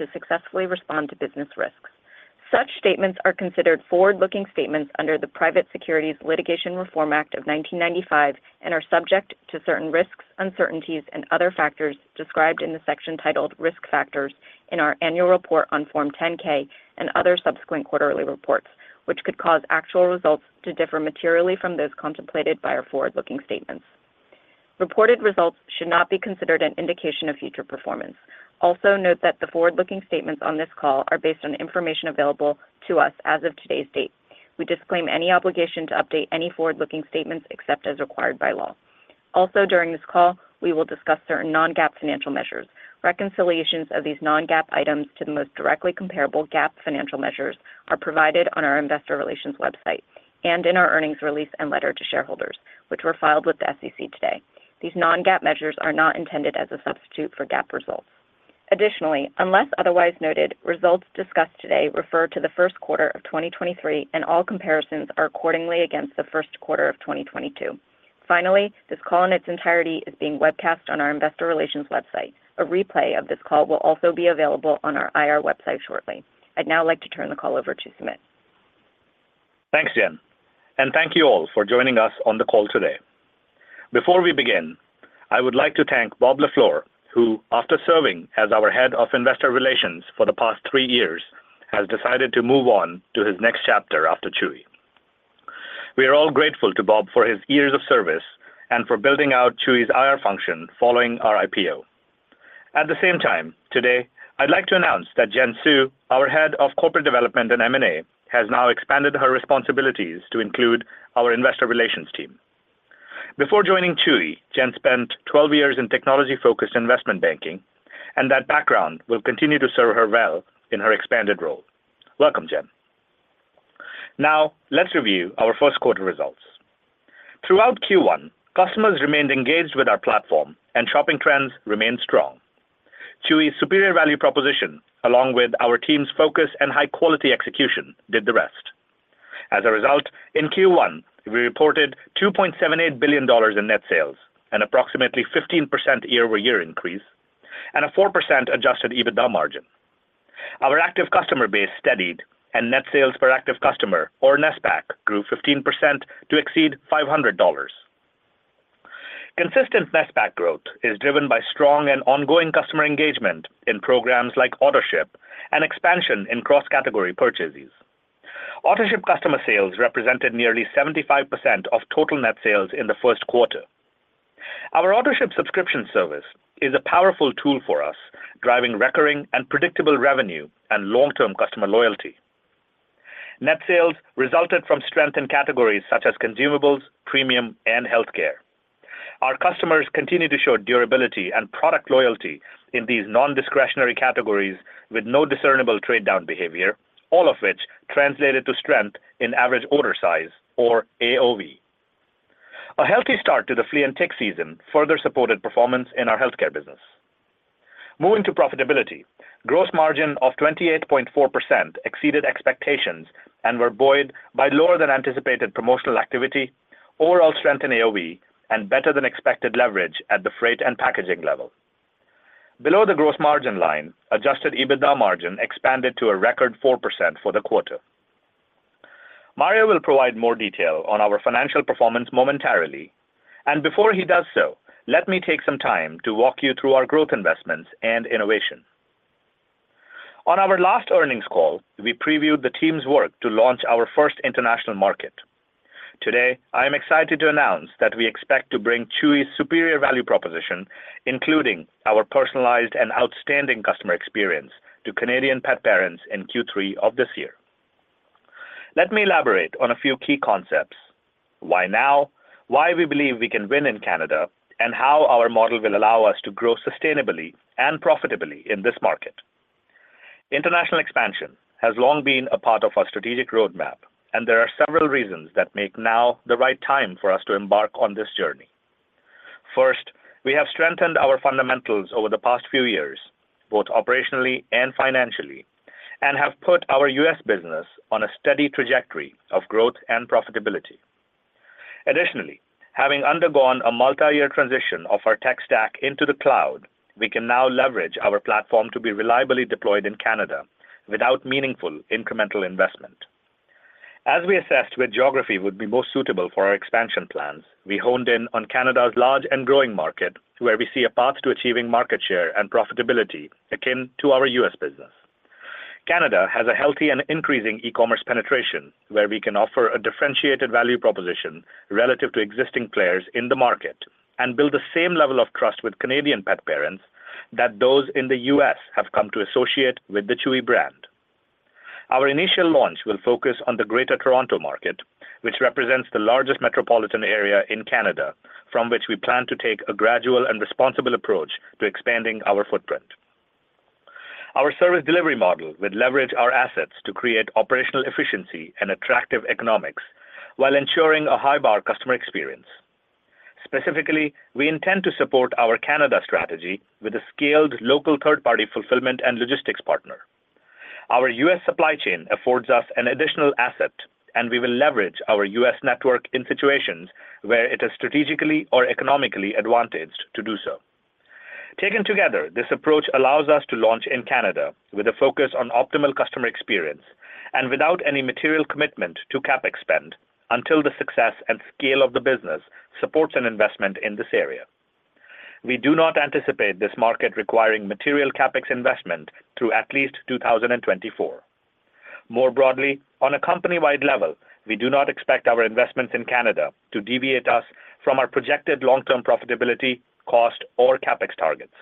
to successfully respond to business risks. Such statements are considered forward-looking statements under the Private Securities Litigation Reform Act of 1995, and are subject to certain risks, uncertainties, and other factors described in the section titled Risk Factors in our annual report on Form 10-K and other subsequent quarterly reports, which could cause actual results to differ materially from those contemplated by our forward-looking statements. Reported results should not be considered an indication of future performance. Note that the forward-looking statements on this call are based on information available to us as of today's date. We disclaim any obligation to update any forward-looking statements except as required by law. During this call, we will discuss certain non-GAAP financial measures. Reconciliations of these non-GAAP items to the most directly comparable GAAP financial measures are provided on our investor relations website and in our earnings release and letter to shareholders, which were filed with the SEC today. These non-GAAP measures are not intended as a substitute for GAAP results. Unless otherwise noted, results discussed today refer to the first quarter of 2023, and all comparisons are accordingly against the first quarter of 2022. This call in its entirety is being webcast on our investor relations website. A replay of this call will also be available on our IR website shortly. I'd now like to turn the call over to Sumit. Thanks, Jen. Thank you all for joining us on the call today. Before we begin, I would like to thank Bob LaFleur, who, after serving as our Head of Investor Relations for the past three years, has decided to move on to his next chapter after Chewy. We are all grateful to Bob for his years of service and for building out Chewy's IR function following our IPO. At the same time, today, I'd like to announce that Jen Hsu, our Head of Corporate Development and M&A, has now expanded her responsibilities to include our Investor Relations team. Before joining Chewy, Jen spent 12 years in technology-focused investment banking, and that background will continue to serve her well in her expanded role. Welcome, Jen. Now, let's review our first quarter results. Throughout Q1, customers remained engaged with our platform and shopping trends remained strong. Chewy's superior value proposition, along with our team's focus and high-quality execution, did the rest. As a result, in Q1, we reported $2.78 billion in net sales, and approximately 15% year-over-year increase, and a 4% adjusted EBITDA margin. Our active customer base steadied, and net sales per active customer, or NSPAC, grew 15% to exceed $500. Consistent NSPAC growth is driven by strong and ongoing customer engagement in programs like Autoship and expansion in cross-category purchases. Autoship customer sales represented nearly 75% of total net sales in the first quarter. Our Autoship subscription service is a powerful tool for us, driving recurring and predictable revenue and long-term customer loyalty. Net sales resulted from strength in categories such as consumables, premium, and healthcare. Our customers continue to show durability and product loyalty in these non-discretionary categories with no discernible trade-down behavior, all of which translated to strength in average order size, or AOV. A healthy start to the flea and tick season further supported performance in our healthcare business. Moving to profitability. Gross margin of 28.4% exceeded expectations and were buoyed by lower than anticipated promotional activity, overall strength in AOV, and better than expected leverage at the freight and packaging level. Below the gross margin line, adjusted EBITDA margin expanded to a record 4% for the quarter. Mario will provide more detail on our financial performance momentarily, and before he does so, let me take some time to walk you through our growth investments and innovation. On our last earnings call, we previewed the team's work to launch our first international market. Today, I am excited to announce that we expect to bring Chewy's superior value proposition, including our personalized and outstanding customer experience, to Canadian pet parents in Q3 of this year. Let me elaborate on a few key concepts. Why now, why we believe we can win in Canada, and how our model will allow us to grow sustainably and profitably in this market. International expansion has long been a part of our strategic roadmap, and there are several reasons that make now the right time for us to embark on this journey. First, we have strengthened our fundamentals over the past few years, both operationally and financially, and have put our U.S. business on a steady trajectory of growth and profitability. Additionally, having undergone a multi-year transition of our tech stack into the cloud, we can now leverage our platform to be reliably deployed in Canada without meaningful incremental investment. As we assessed which geography would be most suitable for our expansion plans, we honed in on Canada's large and growing market, where we see a path to achieving market share and profitability akin to our U.S. business. Canada has a healthy and increasing e-commerce penetration, where we can offer a differentiated value proposition relative to existing players in the market and build the same level of trust with Canadian pet parents that those in the U.S. have come to associate with the Chewy brand. Our initial launch will focus on the Greater Toronto market, which represents the largest metropolitan area in Canada, from which we plan to take a gradual and responsible approach to expanding our footprint. Our service delivery model will leverage our assets to create operational efficiency and attractive economics while ensuring a high bar customer experience. Specifically, we intend to support our Canada strategy with a scaled local third-party fulfillment and logistics partner.... Our US supply chain affords us an additional asset, and we will leverage our US network in situations where it is strategically or economically advantaged to do so. Taken together, this approach allows us to launch in Canada with a focus on optimal customer experience and without any material commitment to CapEx spend until the success and scale of the business supports an investment in this area. We do not anticipate this market requiring material CapEx investment through at least 2024. More broadly, on a company-wide level, we do not expect our investments in Canada to deviate us from our projected long-term profitability, cost, or CapEx targets.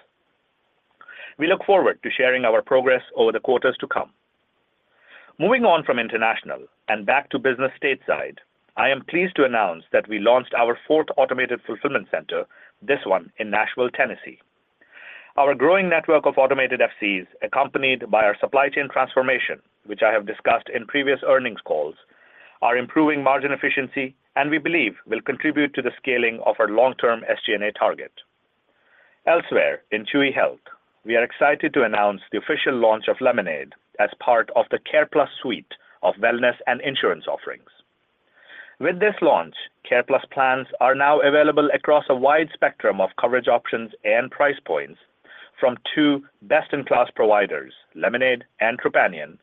We look forward to sharing our progress over the quarters to come. Moving on from international and back to business stateside, I am pleased to announce that we launched our fourth automated fulfillment center, this one in Nashville, Tennessee. Our growing network of automated FCs, accompanied by our supply chain transformation, which I have discussed in previous earnings calls, are improving margin efficiency and we believe will contribute to the scaling of our long-term SG&A target. Elsewhere, in Chewy Health, we are excited to announce the official launch of Lemonade as part of the CarePlus suite of wellness and insurance offerings. With this launch, CarePlus Plans are now available across a wide spectrum of coverage options and price points from two best-in-class providers, Lemonade and Trupanion,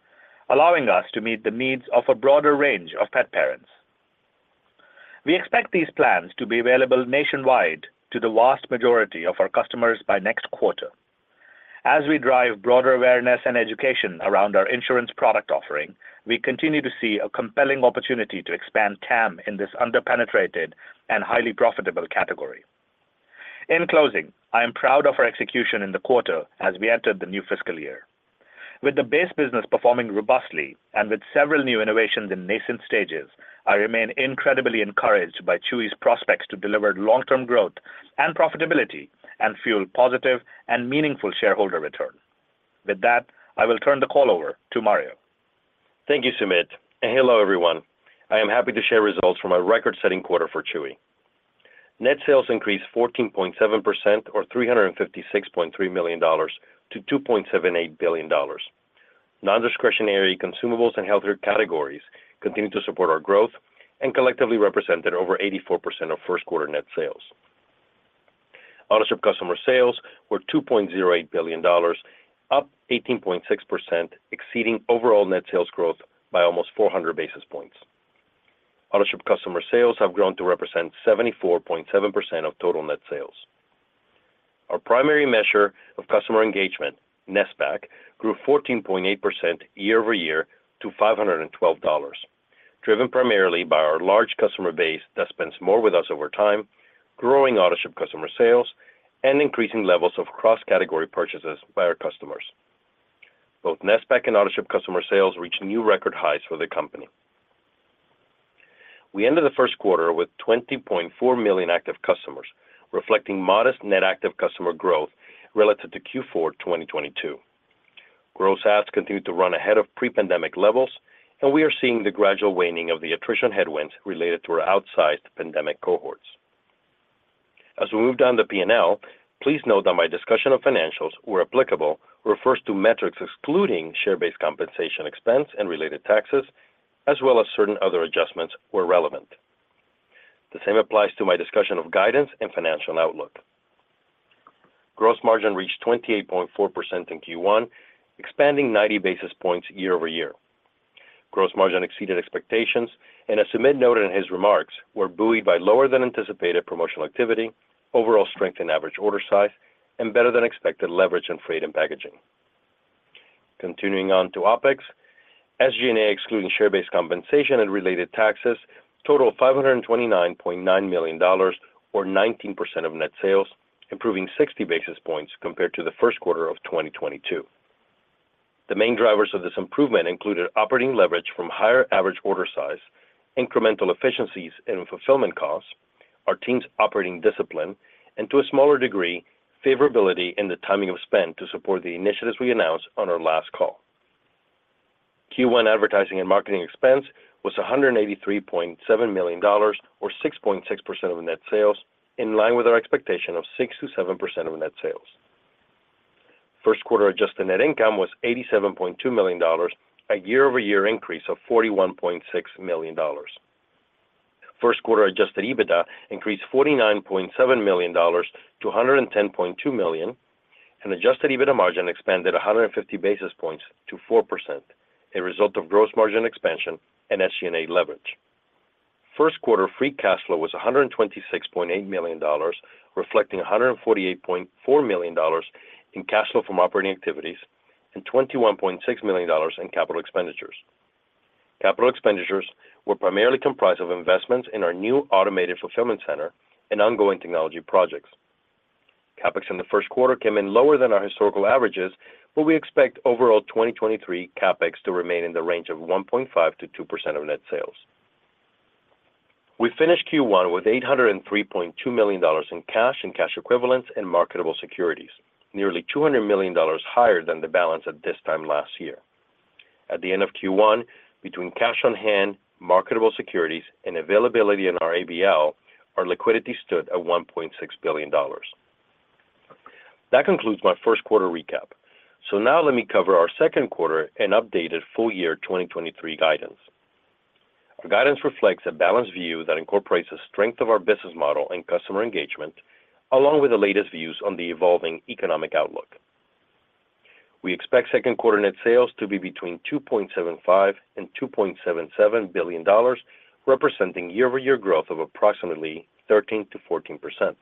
allowing us to meet the needs of a broader range of pet parents. We expect these plans to be available nationwide to the vast majority of our customers by next quarter. As we drive broader awareness and education around our insurance product offering, we continue to see a compelling opportunity to expand TAM in this underpenetrated and highly profitable category. In closing, I am proud of our execution in the quarter as we entered the new fiscal year. With the base business performing robustly and with several new innovations in nascent stages, I remain incredibly encouraged by Chewy's prospects to deliver long-term growth and profitability and fuel positive and meaningful shareholder return. With that, I will turn the call over to Mario. Thank you, Sumit. Hello, everyone. I am happy to share results from a record-setting quarter for Chewy. Net sales increased 14.7%, or $356.3 million to $2.78 billion. Non-discretionary consumables and healthcare categories continued to support our growth and collectively represented over 84% of first quarter net sales. Autoship customer sales were $2.08 billion, up 18.6%, exceeding overall net sales growth by almost 400 basis points. Autoship customer sales have grown to represent 74.7% of total net sales. Our primary measure of customer engagement, NSPAC, grew 14.8% year-over-year to $512, driven primarily by our large customer base that spends more with us over time, growing Autoship customer sales, and increasing levels of cross-category purchases by our customers. Both NSPAC and Autoship customer sales reached new record highs for the company. We ended the first quarter with 20.4 million active customers, reflecting modest net active customer growth relative to Q4 2022. Gross adds continued to run ahead of pre-pandemic levels. We are seeing the gradual waning of the attrition headwinds related to our outsized pandemic cohorts. As we move down the P&L, please note that my discussion of financials, where applicable, refers to metrics excluding share-based compensation expense and related taxes, as well as certain other adjustments, where relevant. The same applies to my discussion of guidance and financial outlook. Gross margin reached 28.4% in Q1, expanding 90 basis points year-over-year. Gross margin exceeded expectations. As Sumit noted in his remarks, were buoyed by lower than anticipated promotional activity, overall strength in average order size, and better than expected leverage in freight and packaging. Continuing on to OpEx, SG&A, excluding share-based compensation and related taxes, totaled $529.9 million or 19% of net sales, improving 60 basis points compared to the first quarter of 2022. The main drivers of this improvement included operating leverage from higher average order size, incremental efficiencies and fulfillment costs, our team's operating discipline, and to a smaller degree, favorability in the timing of spend to support the initiatives we announced on our last call. Q1 advertising and marketing expense was $183.7 million, or 6.6% of net sales, in line with our expectation of 6%-7% of net sales. First quarter adjusted net income was $87.2 million, a year-over-year increase of $41.6 million. First quarter adjusted EBITDA increased $49.7 million to $110.2 million, and adjusted EBITDA margin expanded 150 basis points to 4%, a result of gross margin expansion and SG&A leverage. First quarter free cash flow was $126.8 million, reflecting $148.4 million in cash flow from operating activities and $21.6 million in capital expenditures. Capital expenditures were primarily comprised of investments in our new automated fulfillment center and ongoing technology projects. CapEx in the first quarter came in lower than our historical averages, but we expect overall 2023 CapEx to remain in the range of 1.5%-2% of net sales. We finished Q1 with $803.2 million in cash and cash equivalents in marketable securities, nearly $200 million higher than the balance at this time last year. At the end of Q1, between cash on hand, marketable securities, and availability in our ABL, our liquidity stood at $1.6 billion. That concludes my first quarter recap. Now let me cover our second quarter and updated full year 2023 guidance. Our guidance reflects a balanced view that incorporates the strength of our business model and customer engagement, along with the latest views on the evolving economic outlook. We expect second quarter net sales to be between $2.75 billion and $2.77 billion, representing year-over-year growth of approximately 13%-14%.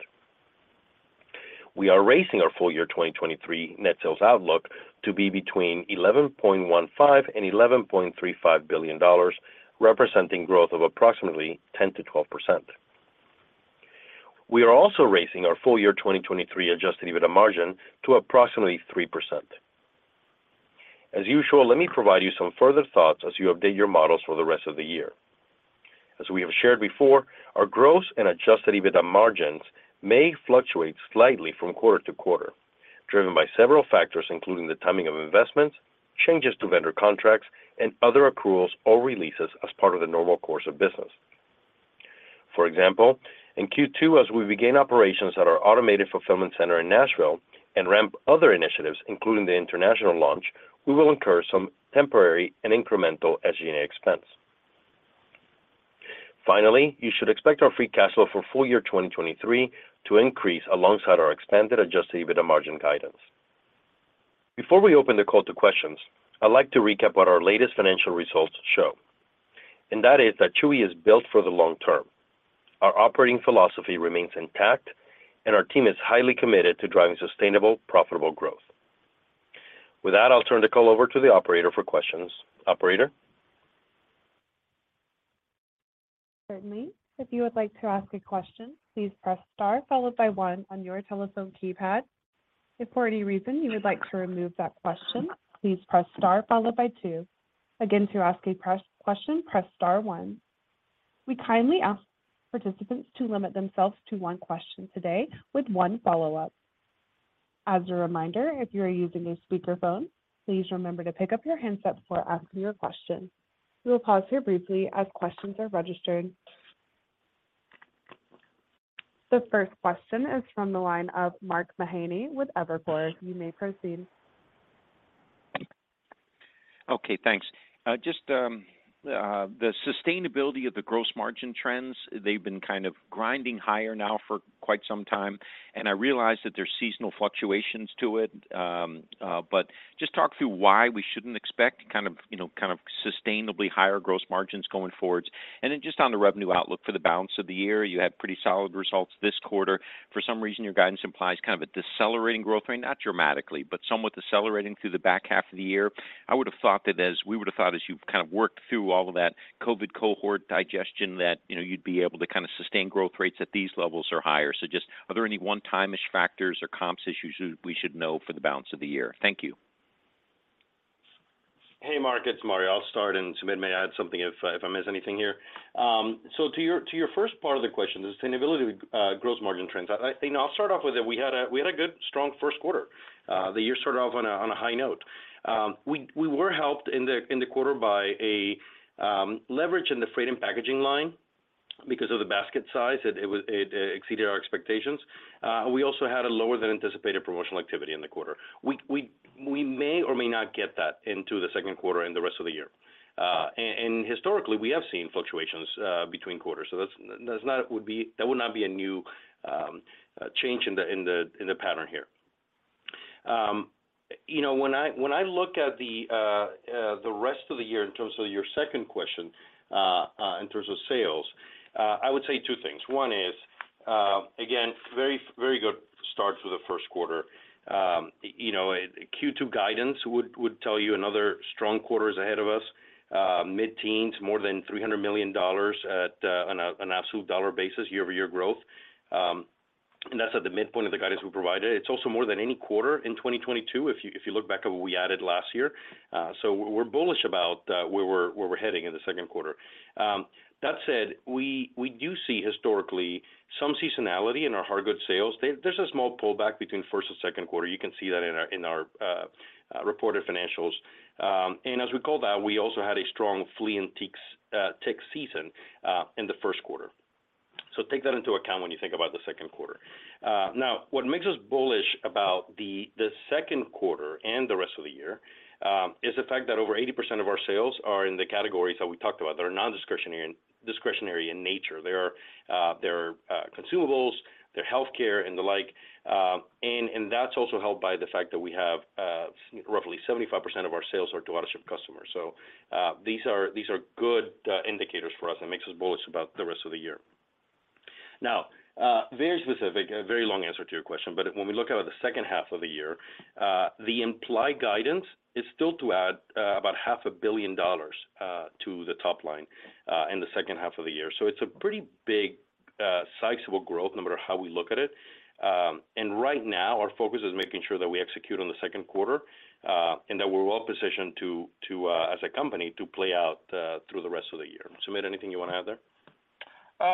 We are raising our full year 2023 net sales outlook to be between $11.15 billion and $11.35 billion, representing growth of approximately 10%-12%. We are also raising our full year 2023 adjusted EBITDA margin to approximately 3%. As usual, let me provide you some further thoughts as you update your models for the rest of the year. As we have shared before, our gross and adjusted EBITDA margins may fluctuate slightly from quarter to quarter, driven by several factors, including the timing of investments, changes to vendor contracts, and other accruals or releases as part of the normal course of business. For example, in Q2, as we begin operations at our automated fulfillment center in Nashville and ramp other initiatives, including the international launch, we will incur some temporary and incremental SG&A expense. You should expect our free cash flow for full year 2023 to increase alongside our expanded adjusted EBITDA margin guidance. Before we open the call to questions, I'd like to recap what our latest financial results show, that is that Chewy is built for the long term. Our operating philosophy remains intact, and our team is highly committed to driving sustainable, profitable growth. With that, I'll turn the call over to the operator for questions. Operator? Certainly. If you would like to ask a question, please press star followed by one on your telephone keypad. If for any reason you would like to remove that question, please press star followed by two. Again, to ask a question, press star one. We kindly ask participants to limit themselves to one question today with one follow-up. As a reminder, if you are using a speakerphone, please remember to pick up your handset before asking your question. We will pause here briefly as questions are registered. The first question is from the line of Mark Mahaney with Evercore. You may proceed. Okay, thanks. Just the sustainability of the gross margin trends, they've been kind of grinding higher now for quite some time. I realize that there are seasonal fluctuations to it, just talk through why we shouldn't expect kind of, you know, sustainably higher gross margins going forward. Just on the revenue outlook for the balance of the year, you had pretty solid results this quarter. For some reason, your guidance implies kind of a decelerating growth rate, not dramatically, but somewhat decelerating through the back half of the year. We would have thought as you've kind of worked through all of that COVID cohort digestion, that, you know, you'd be able to kind of sustain growth rates at these levels or higher. Just are there any one-time-ish factors or comps issues we should know for the balance of the year? Thank you. Hey, Mark, it's Mario. Sumit may add something if I miss anything here. To your first part of the question, the sustainability, gross margin trends. I'll start off with that we had a good, strong first quarter. The year started off on a high note. We were helped in the quarter by a leverage in the freight and packaging line because of the basket size. It exceeded our expectations. We also had a lower than anticipated promotional activity in the quarter. We may or may not get that into the second quarter and the rest of the year. Historically, we have seen fluctuations between quarters, so that would not be a new change in the pattern here. You know, when I look at the rest of the year in terms of your second question in terms of sales, I would say two things. One is again, very, very good start to the first quarter. You know, Q2 guidance would tell you another strong quarter is ahead of us, mid-teens, more than $300 million at on an absolute dollar basis, year-over-year growth. That's at the midpoint of the guidance we provided. It's also more than any quarter in 2022, if you look back at what we added last year. We're bullish about where we're heading in the second quarter. That said, we do see historically some seasonality in our hard goods sales. There's a small pullback between first and second quarter. You can see that in our reported financials. As we call that, we also had a strong flea and tick season in the first quarter. Take that into account when you think about the second quarter. What makes us bullish about the second quarter and the rest of the year is the fact that over 80% of our sales are in the categories that we talked about, that are discretionary in nature. They are, they're consumables, they're healthcare and the like, and that's also helped by the fact that we have roughly 75% of our sales are to Autoship customers. These are good indicators for us and makes us bullish about the rest of the year. A very specific, a very long answer to your question, but when we look at the second half of the year, the implied guidance is still to add about half a billion dollars to the top line in the second half of the year. It's a pretty big, sizable growth, no matter how we look at it. Right now, our focus is making sure that we execute on the second quarter, and that we're well positioned to, as a company, to play out, through the rest of the year. Sumit, anything you want to add there?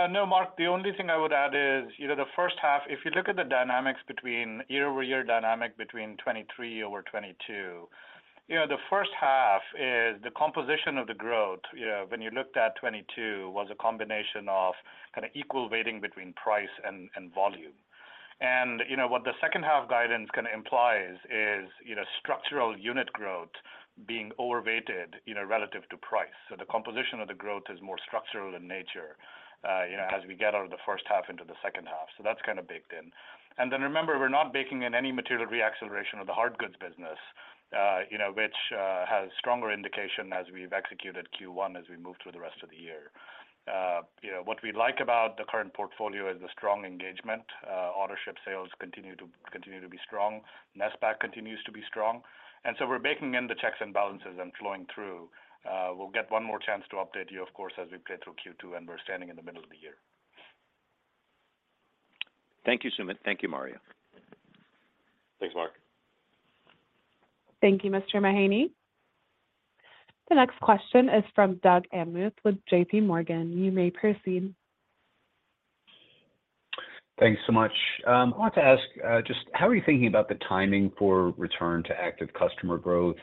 No, Mark. The only thing I would add is, you know, the first half, if you look at the dynamics between year-over-year dynamic between 2023 over 2022.... You know, the first half is the composition of the growth, when you looked at 2022, was a combination of kind of equal weighting between price and volume. What the second half guidance kind of implies is, you know, structural unit growth being overrated, you know, relative to price. The composition of the growth is more structural in nature, you know, as we get out of the first half into the second half. That's kind of baked in. Then remember, we're not baking in any material reacceleration of the hard goods business, you know, which has stronger indication as we've executed Q1 as we move through the rest of the year. You know, what we like about the current portfolio is the strong engagement. Autoship sales continue to be strong. NSPAC continues to be strong. We're baking in the checks and balances and flowing through. We'll get one more chance to update you, of course, as we play through Q2, and we're standing in the middle of the year. Thank you, Sumit. Thank you, Mario. Thanks, Mark. Thank you, Mr. Mahaney. The next question is from Doug Anmuth with JPMorgan. You may proceed. Thanks so much. I want to ask, just how are you thinking about the timing for return to active customer growth?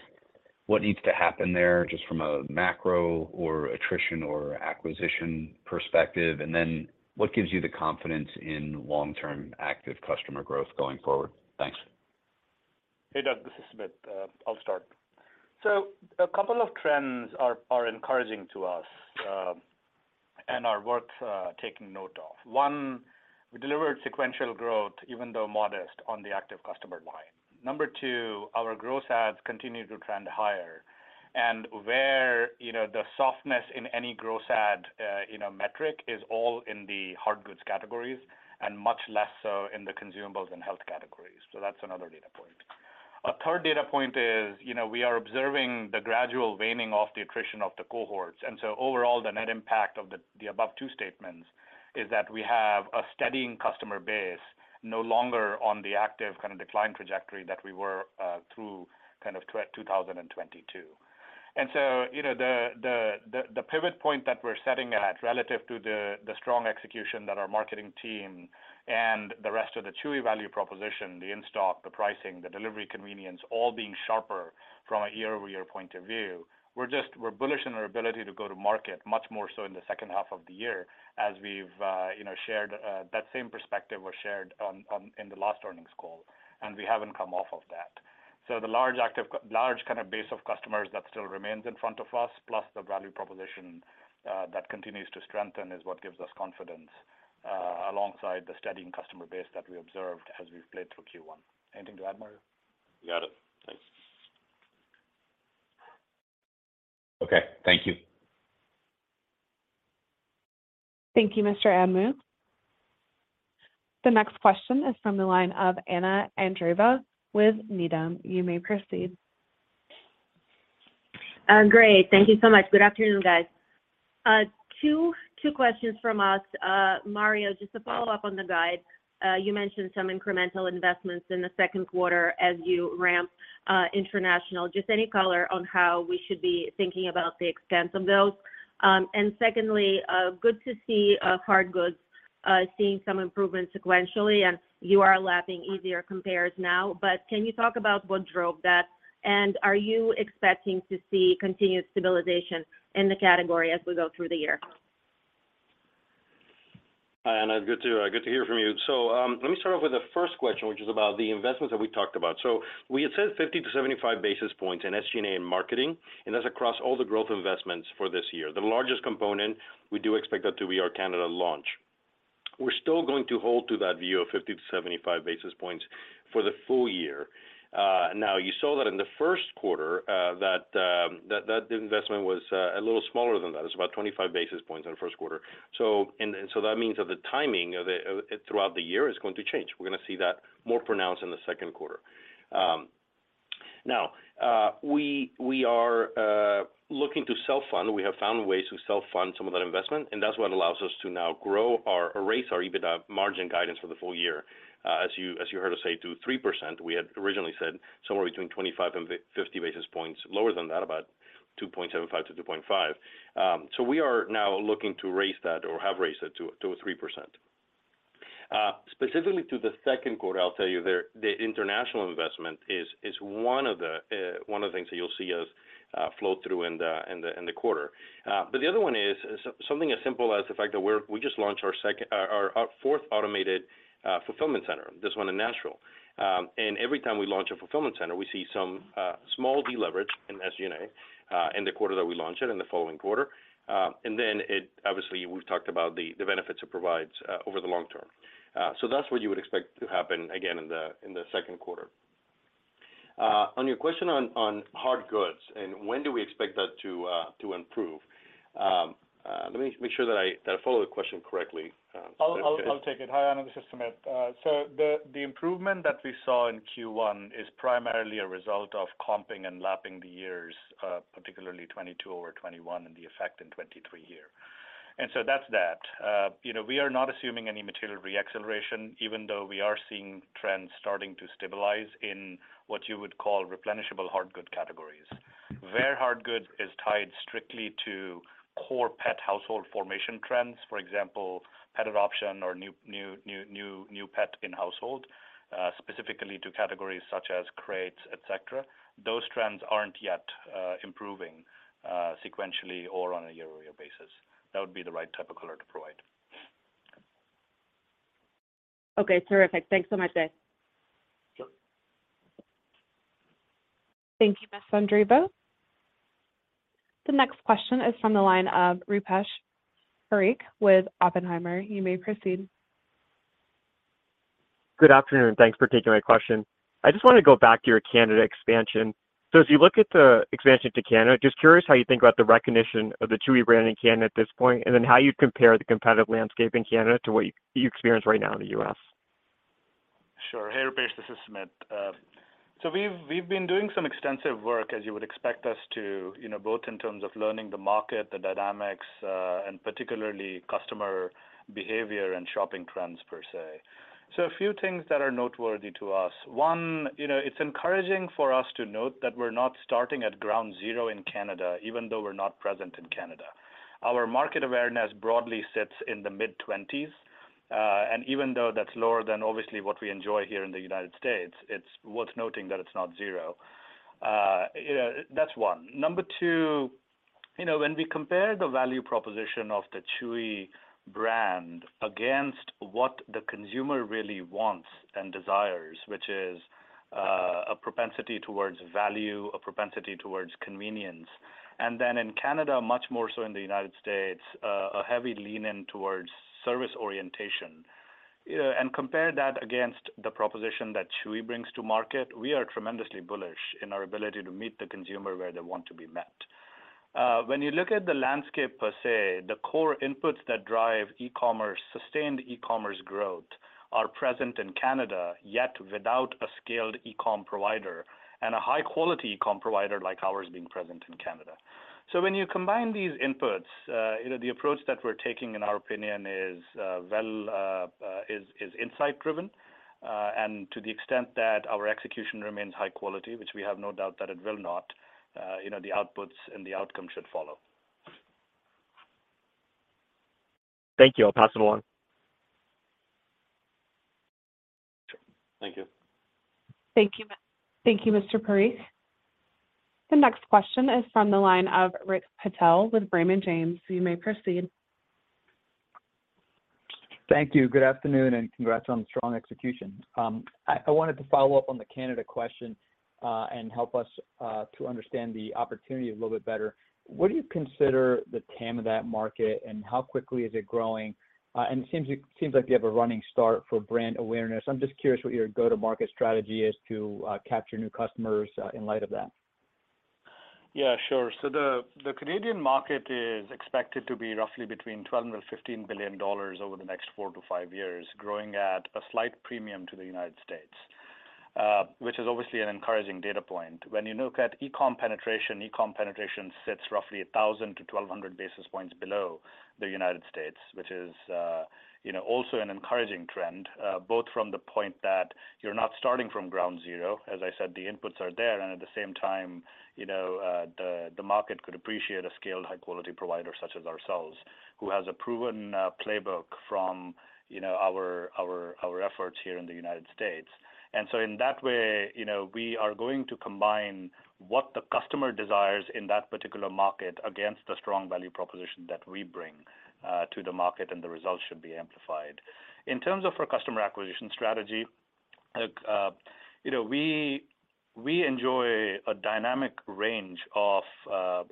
What needs to happen there, just from a macro or attrition or acquisition perspective? What gives you the confidence in long-term active customer growth going forward? Thanks. Hey, Doug, this is Sumit. I'll start. A couple of trends are encouraging to us, and are worth taking note of. One, we delivered sequential growth, even though modest, on the active customer line. Number two, our growth ads continue to trend higher. Where, you know, the softness in any growth ad, you know, metric is all in the hard goods categories and much less so in the consumables and health categories. That's another data point. A third data point is, you know, we are observing the gradual waning off the attrition of the cohorts. Overall, the net impact of the above two statements is that we have a steadying customer base no longer on the active kind of decline trajectory that we were through 2022. you know, the pivot point that we're setting at relative to the strong execution that our marketing team and the rest of the Chewy value proposition, the in-stock, the pricing, the delivery convenience, all being sharper from a year-over-year point of view, we're bullish in our ability to go to market much more so in the second half of the year, as we've, you know, shared, that same perspective was shared in the last earnings call, and we haven't come off of that. The large kind of base of customers that still remains in front of us, plus the value proposition that continues to strengthen, is what gives us confidence alongside the steadying customer base that we observed as we played through Q1. Anything to add, Mario? You got it. Thanks. Okay. Thank you. Thank you, Mr. Anmuth. The next question is from the line of Anna Andreeva with Needham. You may proceed. Great. Thank you so much. Good afternoon, guys. Two questions from us. Mario, just to follow up on the guide, you mentioned some incremental investments in the second quarter as you ramp international. Just any color on how we should be thinking about the extent of those? Secondly, good to see hard goods seeing some improvement sequentially, and you are lapping easier compares now. Can you talk about what drove that, and are you expecting to see continued stabilization in the category as we go through the year? Hi, Anna. It's good to hear from you. Let me start off with the first question, which is about the investments that we talked about. We had said 50 basis points-75 basis points in SG&A and marketing, and that's across all the growth investments for this year. The largest component, we do expect that to be our Canada launch. We're still going to hold to that view of 50 basis points-75 basis points for the full year. Now, you saw that in the first quarter, that investment was a little smaller than that. It was about 25 basis points in the first quarter. That means that the timing of it throughout the year is going to change. We're gonna see that more pronounced in the second quarter. Now, we are looking to self-fund. We have found ways to self-fund some of that investment, and that's what allows us to now grow or raise our EBITDA margin guidance for the full year. As you heard us say, to 3%, we had originally said somewhere between 25 basis point and 50 basis points lower than that, about 2.75%-2.5%. We are now looking to raise that or have raised it to 3%. Specifically to the second quarter, I'll tell you the international investment is one of the things that you'll see us flow through in the quarter. The other one is something as simple as the fact that we just launched our fourth automated fulfillment center, this one in Nashville. Every time we launch a fulfillment center, we see some small deleverage in SG&A in the quarter that we launch it, in the following quarter. It obviously, we've talked about the benefits it provides over the long term. That's what you would expect to happen again in the second quarter. On your question on hard goods and when do we expect that to improve? Let me make sure that I follow the question correctly. I'll take it. Hi, Anna, this is Sumit. The improvement that we saw in Q1 is primarily a result of comping and lapping the years, particularly 2022 over 2021 and the effect in 2023 here. That's that. You know, we are not assuming any material reacceleration, even though we are seeing trends starting to stabilize in what you would call replenishable hard good categories, where hard goods is tied strictly to core pet household formation trends, for example, pet adoption or new pet in household, specifically to categories such as crates, et cetera. Those trends aren't yet improving sequentially or on a year-over-year basis. That would be the right type of color to provide. Okay, terrific. Thanks so much, Sumit. Sure. Thank you, Miss Andreeva. The next question is from the line of Rupesh Parikh with Oppenheimer. You may proceed. Good afternoon, and thanks for taking my question. I just want to go back to your Canada expansion. As you look at the expansion to Canada, just curious how you think about the recognition of the Chewy brand in Canada at this point, and then how you'd compare the competitive landscape in Canada to what you experience right now in the U.S.? Sure. Hey, Rupesh, this is Sumit. We've been doing some extensive work, as you would expect us to, you know, both in terms of learning the market, the dynamics, and particularly customer behavior and shopping trends, per se. A few things that are noteworthy to us. One, you know, it's encouraging for us to note that we're not starting at ground zero in Canada, even though we're not present in Canada. Our market awareness broadly sits in the mid-20s, and even though that's lower than obviously what we enjoy here in the United States, it's worth noting that it's not zero. You know, that's one. Number two, you know, when we compare the value proposition of the Chewy brand against what the consumer really wants and desires, which is a propensity towards value, a propensity towards convenience, and then in Canada, much more so in the United States, a heavy lean in towards service orientation. Compare that against the proposition that Chewy brings to market, we are tremendously bullish in our ability to meet the consumer where they want to be met. When you look at the landscape per se, the core inputs that drive e-commerce, sustained e-commerce growth, are present in Canada, yet without a scaled e-com provider and a high-quality e-com provider like ours being present in Canada. When you combine these inputs, you know, the approach that we're taking, in our opinion, is, well, is insight driven. To the extent that our execution remains high quality, which we have no doubt that it will not, you know, the outputs and the outcomes should follow. Thank you. I'll pass it along. Thank you. Thank you. Thank you, Mr. Parikh. The next question is from the line of Rick Patel with Raymond James. You may proceed. Thank you. Good afternoon, and congrats on the strong execution. I wanted to follow up on the Canada question and help us to understand the opportunity a little bit better. What do you consider the TAM of that market and how quickly is it growing? It seems like you have a running start for brand awareness. I'm just curious what your go-to-market strategy is to capture new customers in light of that. Yeah, sure. The Canadian market is expected to be roughly between $12 billion-$15 billion over the next four to five years, growing at a slight premium to the United States, which is obviously an encouraging data point. When you look at e-com penetration, e-com penetration sits roughly 1,000 basis points to 1,200 basis points below the United States, which is, you know, also an encouraging trend, both from the point that you're not starting from ground zero. As I said, the inputs are there, and at the same time, you know, the market could appreciate a scaled high-quality provider such as ourselves, who has a proven playbook from, you know, our efforts here in the United States. In that way, you know, we are going to combine what the customer desires in that particular market against the strong value proposition that we bring to the market, and the results should be amplified. In terms of our customer acquisition strategy, you know, we enjoy a dynamic range of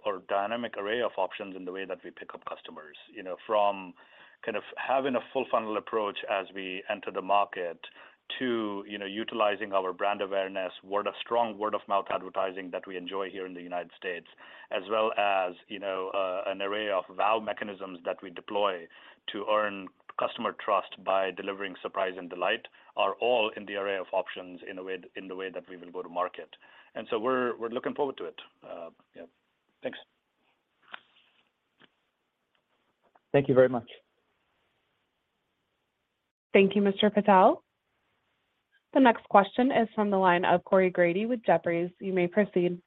or dynamic array of options in the way that we pick up customers. You know, from kind of having a full funnel approach as we enter the market to, you know, utilizing our brand awareness, strong word-of-mouth advertising that we enjoy here in the United States, as well as, you know, an array of value mechanisms that we deploy to earn customer trust by delivering surprise and delight, are all in the array of options in the way that we will go to market. we're looking forward to it. Yeah. Thanks. Thank you very much. Thank you, Mr. Patel. The next question is from the line of Corey Grady with Jefferies. You may proceed.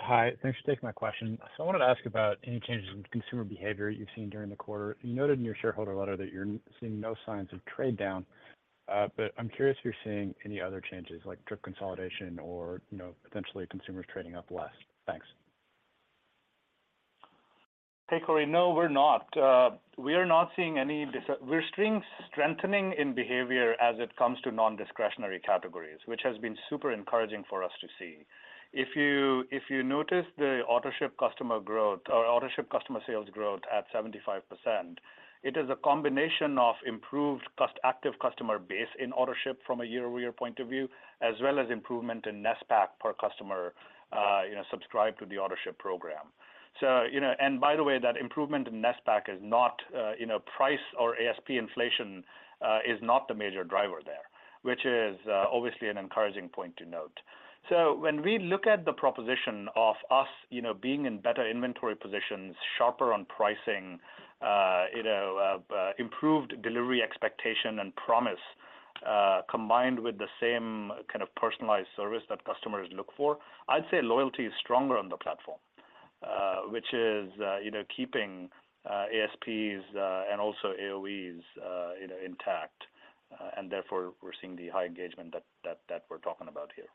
Hi, thanks for taking my question. I wanted to ask about any changes in consumer behavior you've seen during the quarter. You noted in your shareholder letter that you're seeing no signs of trade down. I'm curious if you're seeing any other changes like trip consolidation or, you know, potentially consumers trading up less. Thanks. Hey, Corey. No, we're not. We are not seeing any strengthening in behavior as it comes to non-discretionary categories, which has been super encouraging for us to see. If you notice the Autoship customer growth or Autoship customer sales growth at 75%, it is a combination of improved active customer base in Autoship from a year-over-year point of view, as well as improvement in net basket per customer subscribed to the Autoship program. And by the way, that improvement in net basket is not price or ASP inflation is not the major driver there, which is obviously an encouraging point to note. When we look at the proposition of us being in better inventory positions, sharper on pricing, improved delivery expectation and promise... combined with the same kind of personalized service that customers look for, I'd say loyalty is stronger on the platform, which is, you know, keeping, ASPs, and also AOVs, you know, intact. Therefore, we're seeing the high engagement that we're talking about here.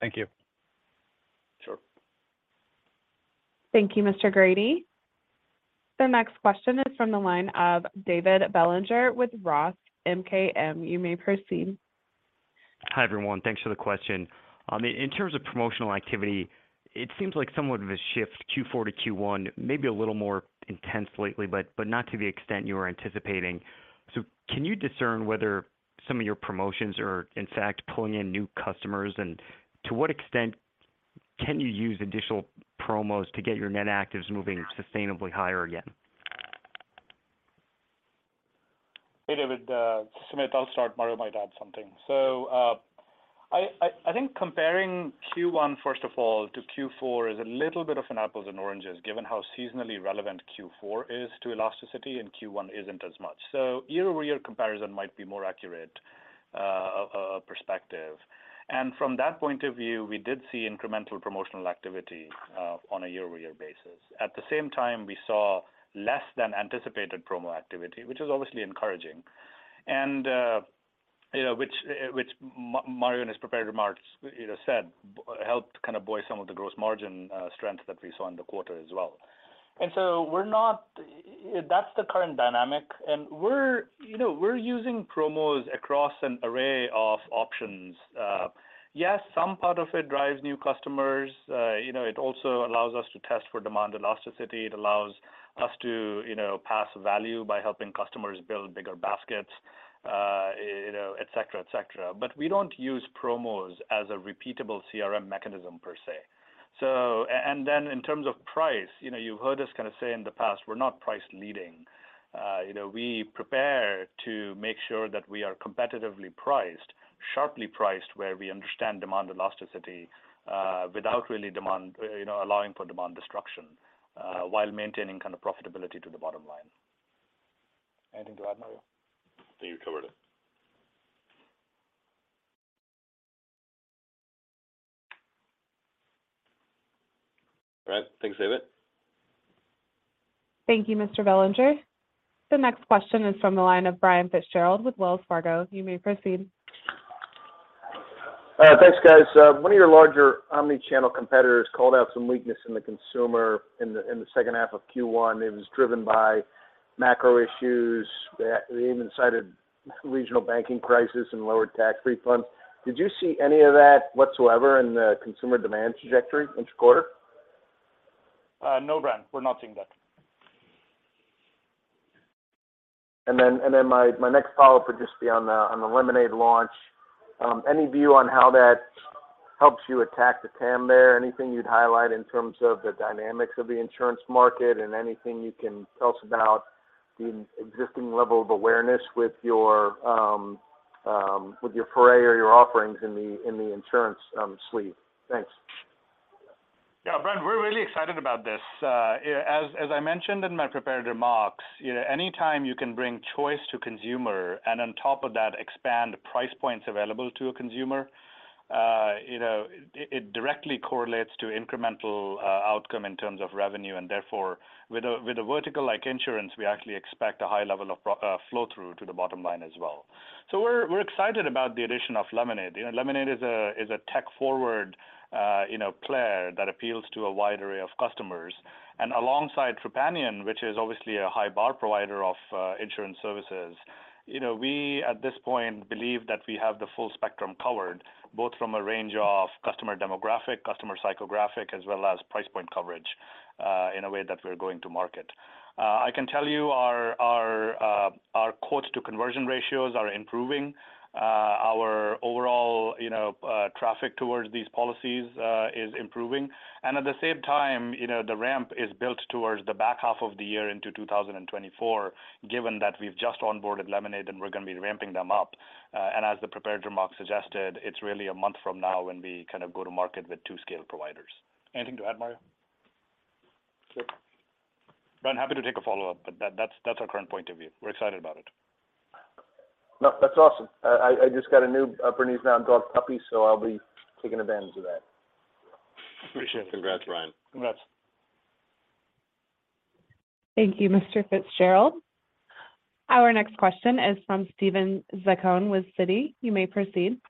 Thank you. Sure. Thank you, Mr. Grady. The next question is from the line of David Bellinger with ROTH MKM. You may proceed. Hi, everyone. Thanks for the question. In terms of promotional activity, it seems like somewhat of a shift Q4 to Q1, maybe a little more intense lately, but not to the extent you were anticipating. Can you discern whether some of your promotions are in fact pulling in new customers? To what extent can you use additional promos to get your net actives moving sustainably higher again? Hey, David. Sumit, I'll start, Mario might add something. I think comparing Q1, first of all, to Q4 is a little bit of an apples and oranges, given how seasonally relevant Q4 is to elasticity, and Q1 isn't as much. A year-over-year comparison might be more accurate, perspective. From that point of view, we did see incremental promotional activity on a year-over-year basis. At the same time, we saw less than anticipated promo activity, which is obviously encouraging. You know, which Mario in his prepared remarks, you know, said, helped kind of buoy some of the gross margin strength that we saw in the quarter as well. That's the current dynamic, and we're, you know, we're using promos across an array of options. Yes, some part of it drives new customers. You know, it also allows us to test for demand elasticity. It allows us to, you know, pass value by helping customers build bigger baskets, you know, et cetera, et cetera. We don't use promos as a repeatable CRM mechanism per se. And then in terms of price, you know, you've heard us kind of say in the past, we're not price leading. You know, we prepare to make sure that we are competitively priced, sharply priced, where we understand demand elasticity, without you know, allowing for demand destruction, while maintaining kind of profitability to the bottom line. Anything to add, Mario? I think you covered it. All right, thanks, David. Thank you, Mr. Bellinger. The next question is from the line of Brian Fitzgerald with Wells Fargo. You may proceed. Thanks, guys. One of your larger omni-channel competitors called out some weakness in the consumer in the second half of Q1. It was driven by macro issues. They even cited regional banking crisis and lower tax refunds. Did you see any of that whatsoever in the consumer demand trajectory interquarter? No, Brian, we're not seeing that. My next follow-up would just be on the Lemonade launch. Any view on how that helps you attack the TAM there? Anything you'd highlight in terms of the dynamics of the insurance market, and anything you can tell us about the existing level of awareness with your foray or your offerings in the insurance suite? Thanks. Yeah, Brian, we're really excited about this. As I mentioned in my prepared remarks, you know, anytime you can bring choice to consumer, and on top of that, expand price points available to a consumer, you know, it directly correlates to incremental outcome in terms of revenue. With a vertical like insurance, we actually expect a high level of flow through to the bottom line as well. We're excited about the addition of Lemonade. You know, Lemonade is a tech-forward, you know, player that appeals to a wide array of customers. Alongside Trupanion, which is obviously a high bar provider of insurance services, you know, we, at this point, believe that we have the full spectrum covered, both from a range of customer demographic, customer psychographic, as well as price point coverage, in a way that we're going to market. I can tell you, our quote to conversion ratios are improving. Our overall, you know, traffic towards these policies is improving. At the same time, you know, the ramp is built towards the back half of the year into 2024, given that we've just onboarded Lemonade and we're going to be ramping them up. As the prepared remarks suggested, it's really a month from now when we kind of go to market with two scale providers. Anything to add, Mario? Sure. I'm happy to take a follow-up. That's our current point of view. We're excited about it. No, that's awesome. I just got a new Bernese Mountain Dog puppy, so I'll be taking advantage of that. Appreciate it. Congrats, Brian. Congrats. Thank you, Mr. Fitzgerald. Our next question is from Steven Zaccone with Citi. You may proceed.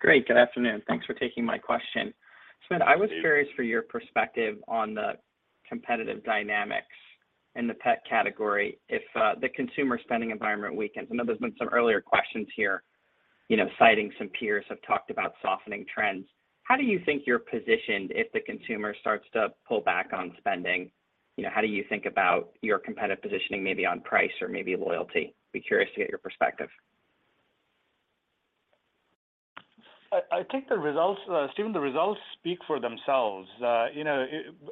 Great. Good afternoon. Thanks for taking my question. Thank you. Sumit, I was curious for your perspective on the competitive dynamics in the pet category if the consumer spending environment weakens. I know there's been some earlier questions here, you know, citing some peers have talked about softening trends. How do you think you're positioned if the consumer starts to pull back on spending? You know, how do you think about your competitive positioning, maybe on price or maybe loyalty? Be curious to get your perspective. I think the results Steven, the results speak for themselves. You know,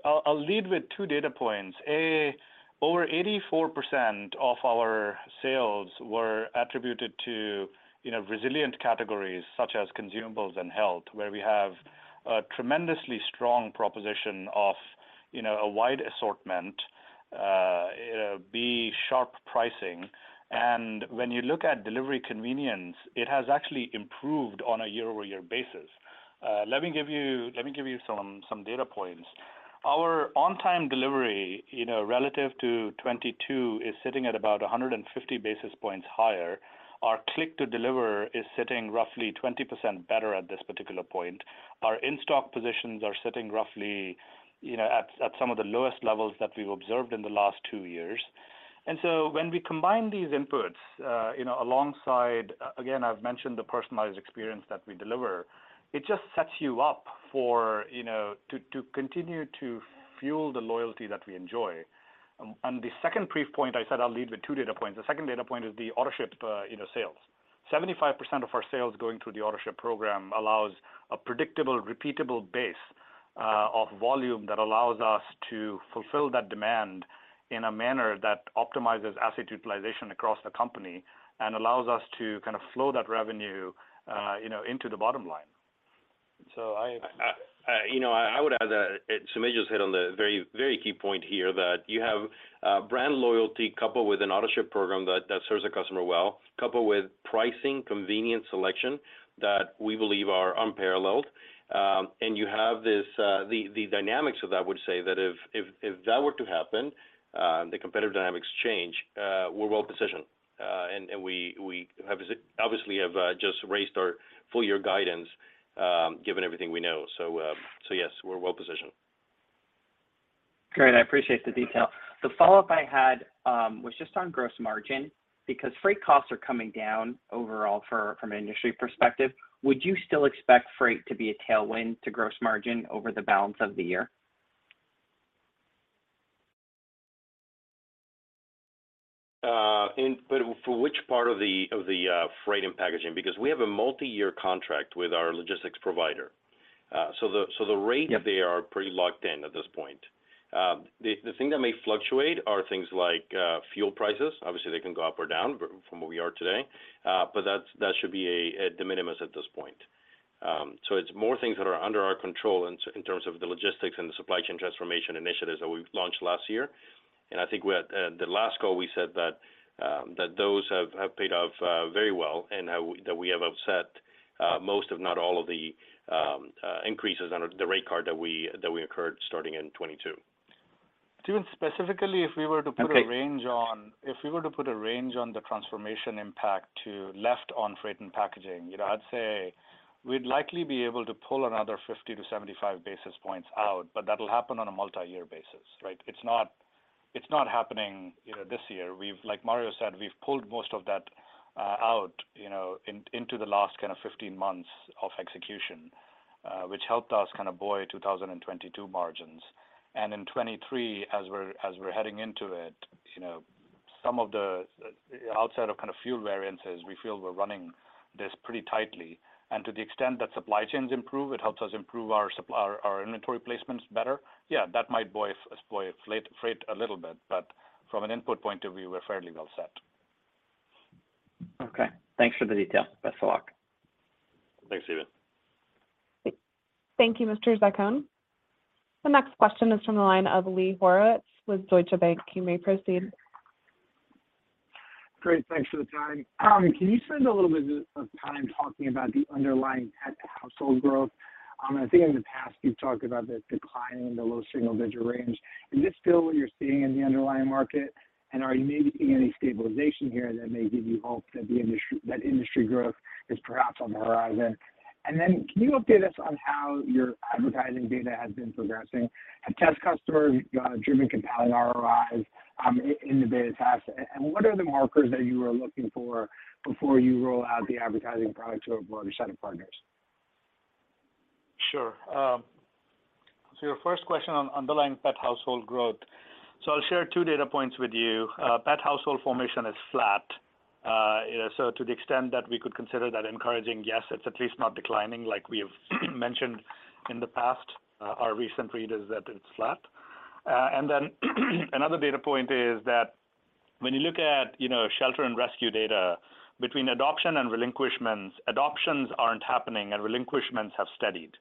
I'll lead with two data points. A, over 84% of our sales were attributed to, you know, resilient categories such as consumables and health, where we have a tremendously strong proposition of, you know, a wide assortment, be sharp pricing. When you look at delivery convenience, it has actually improved on a year-over-year basis. Let me give you some data points. Our on-time delivery, you know, relative to 2022, is sitting at about 150 basis points higher. Our click to deliver is sitting roughly 20% better at this particular point. Our in-stock positions are sitting roughly, you know, at some of the lowest levels that we've observed in the last two years. When we combine these inputs, you know, alongside, again, I've mentioned the personalized experience that we deliver, it just sets you up for, you know, to continue to fuel the loyalty that we enjoy. The second brief point, I said I'll lead with two data points. The second data point is the Autoship, you know, sales. 75% of our sales going through the Autoship program allows a predictable, repeatable base of volume that allows us to fulfill that demand in a manner that optimizes asset utilization across the company and allows us to kind of flow that revenue, you know, into the bottom line. I, you know, I would add that Sumit just hit on the very, very key point here, that you have brand loyalty coupled with an Autoship program that serves the customer well, coupled with pricing, convenience, selection that we believe are unparalleled. And you have this, the dynamics of that would say that if, if that were to happen, the competitive dynamics change, we're well positioned. And we obviously have just raised our full year guidance, given everything we know. So yes, we're well positioned. Great. I appreciate the detail. The follow-up I had, was just on gross margin, because freight costs are coming down overall from an industry perspective, would you still expect freight to be a tailwind to gross margin over the balance of the year? For which part of the freight and packaging? We have a multiyear contract with our logistics provider. Yep... there are pretty locked in at this point. The thing that may fluctuate are things like fuel prices. Obviously, they can go up or down from where we are today, but that should be a de minimis at this point. It's more things that are under our control in terms of the logistics and the supply chain transformation initiatives that we've launched last year. I think we at the last call, we said that those have paid off very well and that we have offset most, if not all of the increases on the rate card that we incurred starting in 22. Steven, specifically, if we were to put... Okay... range on, if we were to put a range on the transformation impact to left on freight and packaging, you know, I'd say we'd likely be able to pull another 50 basis points to 75 basis points out, but that'll happen on a multi-year basis, right? It's not, it's not happening, you know, this year. Like Mario said, we've pulled most of that out, you know, into the last kind of 15 months of execution, which helped us kind of buoy 2022 margins. In 2023, as we're heading into it, you know, some of the, outside of kind of fuel variances, we feel we're running this pretty tightly. To the extent that supply chains improve, it helps us improve our inventory placements better. Yeah, that might buoy freight a little bit, but from an input point of view, we're fairly well set. Okay, thanks for the detail. Best of luck. Thanks, Steven. Thank you, Mr. Zaccone. The next question is from the line of Lee Horowitz with Deutsche Bank. You may proceed. Great, thanks for the time. Can you spend a little bit of time talking about the underlying pet household growth? I think in the past you've talked about the decline in the low single-digit range. Is this still what you're seeing in the underlying market? Are you maybe seeing any stabilization here that may give you hope that that industry growth is perhaps on the horizon? Then can you update us on how your advertising data has been progressing? Have test customers driven compelling ROIs in the beta tasks? What are the markers that you are looking for before you roll out the advertising products to a broader set of partners? Sure. Your first question on underlying pet household growth. I'll share two data points with you. Pet household formation is flat. To the extent that we could consider that encouraging, yes, it's at least not declining like we have mentioned in the past, our recent readers, that it's flat. Another data point is that when you look at, you know, shelter and rescue data between adoption and relinquishments, adoptions aren't happening and relinquishments have steadied.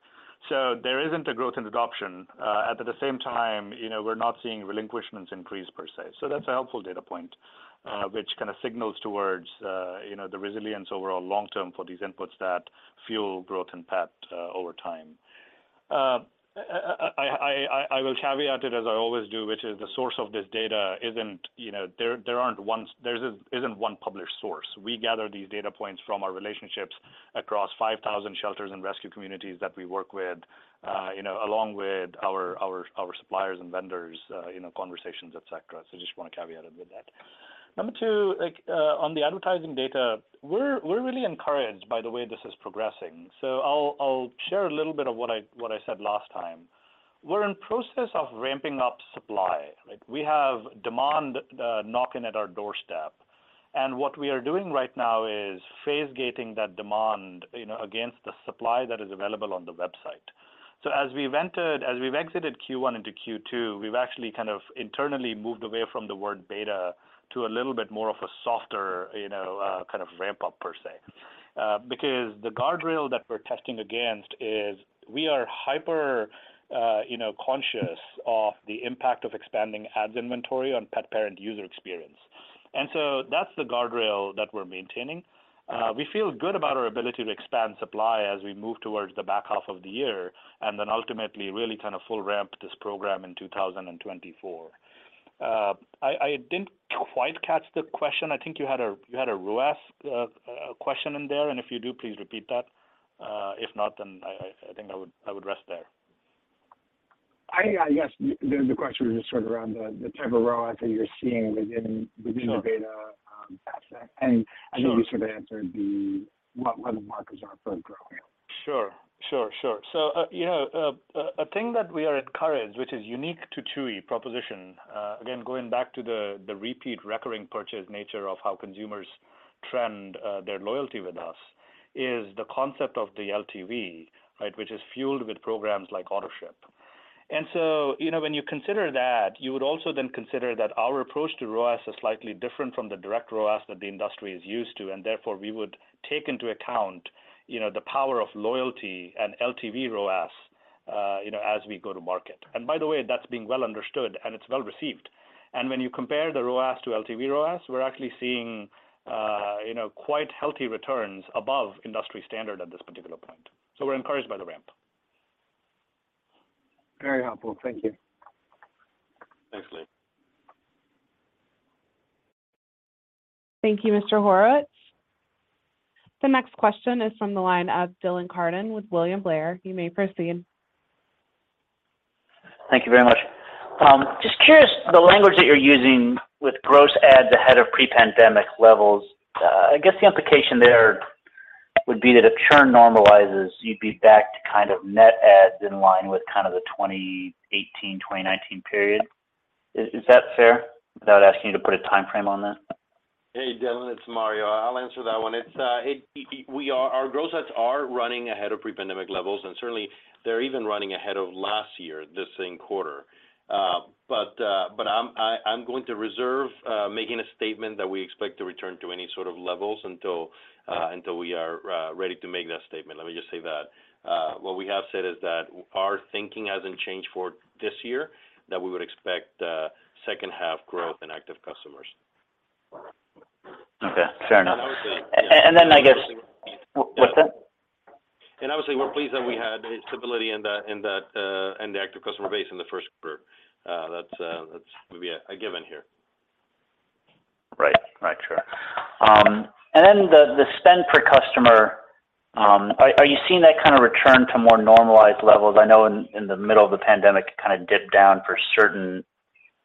There isn't a growth in adoption. At the same time, you know, we're not seeing relinquishments increase per se. That's a helpful data point, which kind of signals towards, you know, the resilience overall long term for these inputs that fuel growth in pet over time. I will caveat it, as I always do, which is the source of this data isn't, you know, there isn't one published source. We gather these data points from our relationships across 5,000 shelters and rescue communities that we work with, you know, along with our suppliers and vendors, you know, conversations, et cetera. Just want to caveat it with that. Number two, on the advertising data, we're really encouraged by the way this is progressing. I'll share a little bit of what I said last time. We're in process of ramping up supply. Like, we have demand, knocking at our doorstep, and what we are doing right now is phase gating that demand, you know, against the supply that is available on the website. As we've exited Q1 into Q2, we've actually kind of internally moved away from the word beta to a little bit more of a softer, you know, kind of ramp-up per se. Because the guardrail that we're testing against is we are hyper, you know, conscious of the impact of expanding ads inventory on pet parent user experience. That's the guardrail that we're maintaining. We feel good about our ability to expand supply as we move towards the back half of the year, and then ultimately, really kind of full ramp this program in 2024. I didn't quite catch the question. I think you had a ROAS question in there, and if you do, please repeat that. If not, I think I would rest there. I guess the question was just sort of around the type of ROAS that you're seeing within- Sure the data, asset. Sure. I know you sort of answered the, what the markets are for growing. Sure. you know, a thing that we are encouraged, which is unique to Chewy proposition, again, going back to the repeat recurring purchase nature of how consumers trend, their loyalty with us, is the concept of the LTV, right? Which is fueled with programs like Autoship. you know, when you consider that, you would also then consider that our approach to ROAS is slightly different from the direct ROAS that the industry is used to, and therefore, we would take into account, you know, the power of loyalty and LTV ROAS, you know, as we go to market. By the way, that's being well understood and it's well-received. When you compare the ROAS to LTV ROAS, we're actually seeing, you know, quite healthy returns above industry standard at this particular point. We're encouraged by the ramp. Very helpful. Thank you. Thanks, Lee. Thank you, Mr. Horowitz. The next question is from the line of Dylan Carden with William Blair. You may proceed. Thank you very much. Just curious, the language that you're using with gross ads ahead of pre-pandemic levels, I guess the implication there would be that if churn normalizes, you'd be back to kind of net ads in line with kind of the 2018, 2019 period. Is that fair? Without asking you to put a timeframe on that. Hey, Dylan, it's Mario. I'll answer that one. Our growth sets are running ahead of pre-pandemic levels, and certainly, they're even running ahead of last year, this same quarter. I'm going to reserve making a statement that we expect to return to any sort of levels until we are ready to make that statement. Let me just say that what we have said is that our thinking hasn't changed for this year, that we would expect second half growth in active customers. Okay, fair enough. I would say. I guess. What's that? Obviously, we're pleased that we had stability in the active customer base in the first quarter. That's maybe a given here. Right. Right, sure. Then the spend per customer, are you seeing that kind of return to more normalized levels? I know in the middle of the pandemic, it kind of dipped down for certain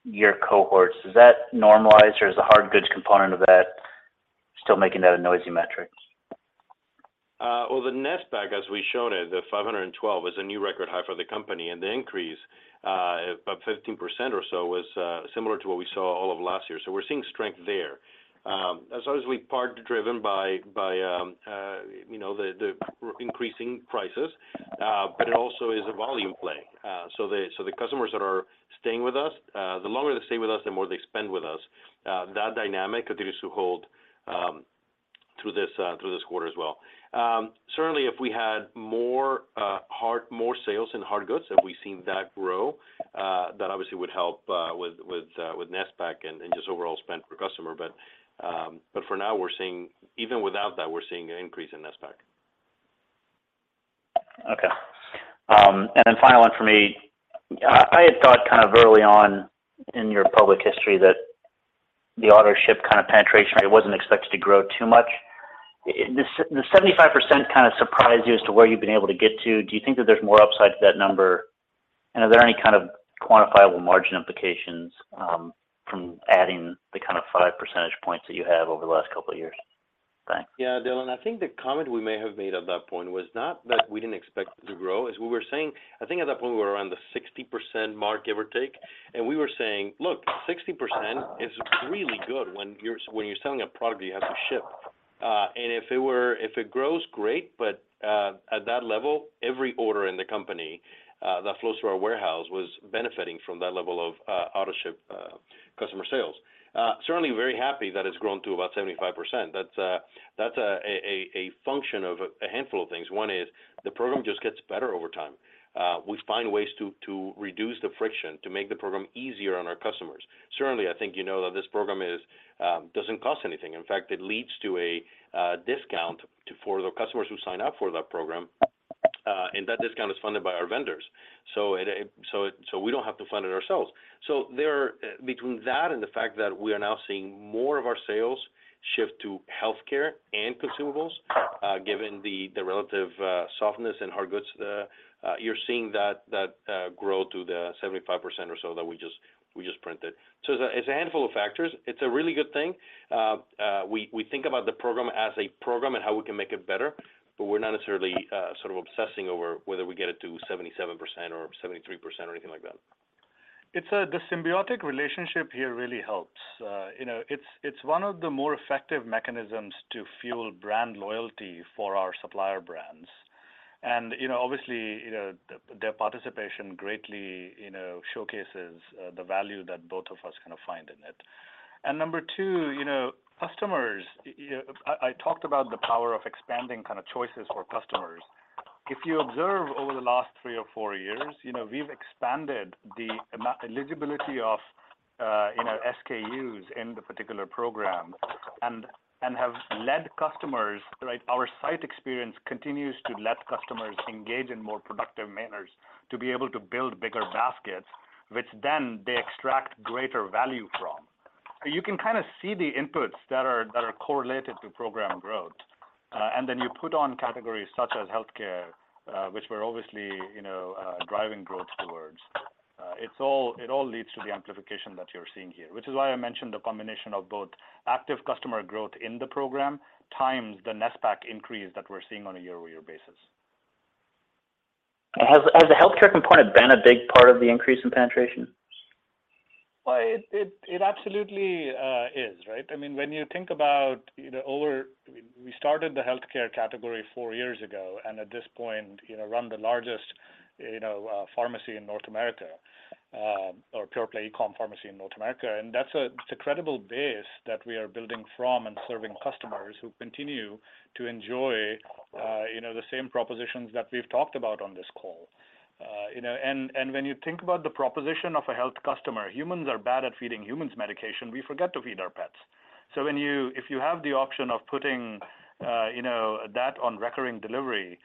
year cohorts. Does that normalize, or is the hard goods component of that still making that a noisy metric? Well, the net basket, as we've shown it, the 512, is a new record high for the company, and the increase, about 15% or so was similar to what we saw all of last year. We're seeing strength there. That's obviously part driven by, you know, the increasing prices, but it also is a volume play. The customers that are staying with us, the longer they stay with us, the more they spend with us. That dynamic continues to hold through this quarter as well. Certainly, if we had more sales in hard goods, and we've seen that grow, that obviously would help with net basket and just overall spend per customer. For now, we're seeing even without that, we're seeing an increase in net basket. Okay. Final one for me. I had thought kind of early on in your public history that the Autoship kind of penetration rate wasn't expected to grow too much. The 75% kind of surprised you as to where you've been able to get to. Do you think that there's more upside to that number? Are there any kind of quantifiable margin implications from adding the kind of five percentage points that you have over the last couple of years? Thanks. Yeah, Dylan, I think the comment we may have made at that point was not that we didn't expect it to grow. As we were saying, I think at that point we were around the 60% mark, give or take, and we were saying: Look, 60% is really good when you're, when you're selling a product you have to ship. And if it were, if it grows, great, but at that level, every order in the company that flows through our warehouse was benefiting from that level of Autoship customer sales. Certainly very happy that it's grown to about 75%. That's a function of a handful of things. One is, the program just gets better over time. We find ways to reduce the friction, to make the program easier on our customers. Certainly, I think you know that this program doesn't cost anything. In fact, it leads to a discount to, for the customers who sign up for that program, and that discount is funded by our vendors. We don't have to fund it ourselves. Between that and the fact that we are now seeing more of our sales shift to healthcare and consumables, given the relative softness in hard goods, you're seeing that grow to the 75% or so that we just printed. It's a handful of factors. It's a really good thing. We think about the program as a program and how we can make it better. We're not necessarily, sort of obsessing over whether we get it to 77% or 73% or anything like that. It's the symbiotic relationship here really helps. You know, it's one of the more effective mechanisms to fuel brand loyalty for our supplier brands. You know, obviously, you know, their participation greatly, you know, showcases the value that both of us kind of find in it. Number two, you know. Customers, I talked about the power of expanding kind of choices for customers. If you observe over the last three or four years, you know, we've expanded the amount, eligibility of, you know, SKUs in the particular program and have led customers, right? Our site experience continues to let customers engage in more productive manners to be able to build bigger baskets, which then they extract greater value from. You can kind of see the inputs that are correlated to program growth. Then you put on categories such as healthcare, which we're obviously, you know, driving growth towards. It all leads to the amplification that you're seeing here, which is why I mentioned the combination of both active customer growth in the program, times the net basket increase that we're seeing on a year-over-year basis. Has the healthcare component been a big part of the increase in penetration? Well, it absolutely is, right? I mean, when you think about, you know, over. We started the healthcare category four years ago, and at this point, you know, run the largest, you know, pharmacy in North America, or pure-play e-com pharmacy in North America. That's a credible base that we are building from and serving customers who continue to enjoy, you know, the same propositions that we've talked about on this call. You know, when you think about the proposition of a health customer, humans are bad at feeding humans medication. We forget to feed our pets. When if you have the option of putting, you know, that on recurring delivery,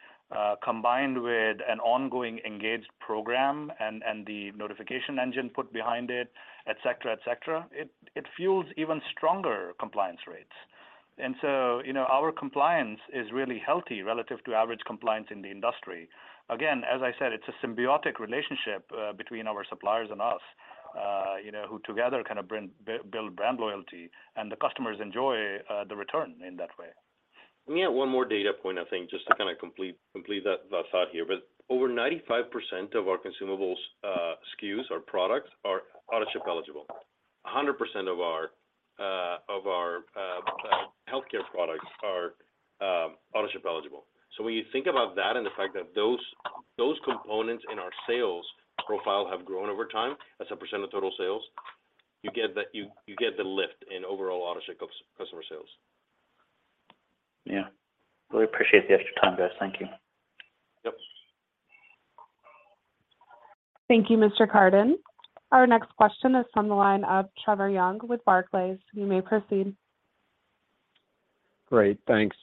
combined with an ongoing engaged program and the notification engine put behind it, et cetera, et cetera, it fuels even stronger compliance rates. You know, our compliance is really healthy relative to average compliance in the industry. Again, as I said, it's a symbiotic relationship, between our suppliers and us, you know, who together kind of bring, build brand loyalty, and the customers enjoy the return in that way. Let me add one more data point, I think, just to kind of complete that thought here. Over 95% of our consumables, SKUs or products are Autoship eligible. 100% of our healthcare products are Autoship eligible. When you think about that and the fact that those components in our sales profile have grown over time, as a percent of total sales, you get the lift in overall Autoship customer sales. Yeah. Really appreciate the extra time, guys. Thank you. Yep. Thank you, Mr. Carden. Our next question is from the line of Trevor Young with Barclays. You may proceed. Great, thanks.